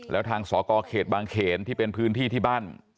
แล้วทางสกเขตบางเขนที่เป็นพื้นที่ที่บ้าน